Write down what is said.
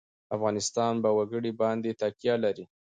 افغانستان په وګړي باندې تکیه لري.